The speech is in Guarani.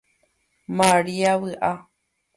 Maria vyʼa.